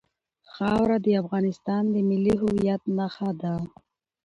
خاوره د افغانستان د ملي هویت نښه ده.